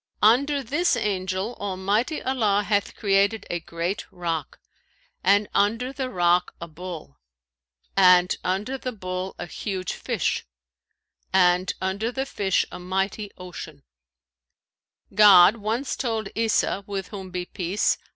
Under this Angel Almighty Allah hath created a great rock, and under the rock a bull, and under the bull a huge fish, and under the fish a mighty ocean.[FN#532] God once told Isa (with whom be peace!